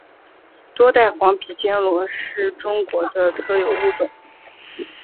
多带黄皮坚螺是中国的特有物种。